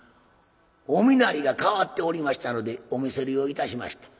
お身なりが変わっておりましたのでお見それをいたしました。